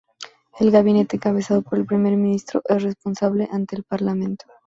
El Gabinete encabezado por el Primer Ministro, es responsable ante el parlamento.